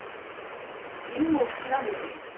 犬もお好きなんですね？